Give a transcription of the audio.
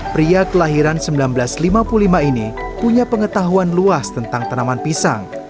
pria kelahiran seribu sembilan ratus lima puluh lima ini punya pengetahuan luas tentang tanaman pisang